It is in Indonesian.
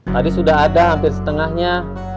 tadi sudah ada hampir setengahnya